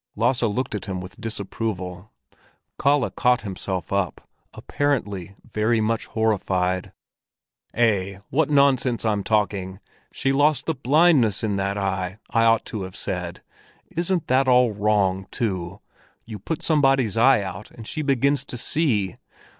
Lasse looked at him with disapproval. Kalle caught himself up, apparently very much horrified. "Eh, what nonsense I'm talking! She lost the blindness of that eye, I ought to have said. Isn't that all wrong, too? You put somebody's eye out, and she begins to see!